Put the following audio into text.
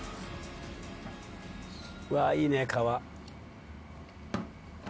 うわいいね皮。